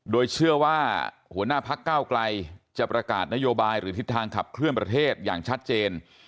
โดยเชื่อว่าหัวหน้าพักเก้าไกลจะประกาศนโยบายหรือทิศทางขับเคลื่อนประเทศอย่างชัดเจน